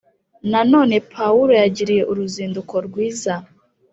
Nanone Pawulo yagiriye uruzinduko rwiza